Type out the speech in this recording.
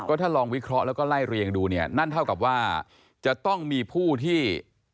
ถ้าลองวิเคราะห์แล้วก็ไล่เรียงดูเนี่ยนั่นเท่ากับว่าจะต้องมีผู้ที่